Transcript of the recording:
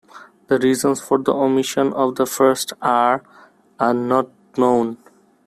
The reasons for the omission of the first "r" are not known.